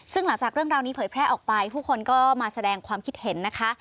ซึ่งหลังจากเรื่องราวนี้เผยแพร่ออกไปผู้คนก็มาแสดงความคิดเห็นนะคะ